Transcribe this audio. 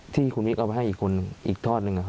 ที่คุณมิคเอามาให้อีกทอดนึงนะครับ